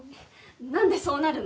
何でそうなるの？